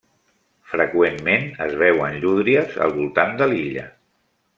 Freqüentment es veuen llúdries al voltant de l'illa.